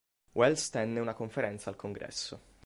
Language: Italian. Wells tenne una conferenza al congresso.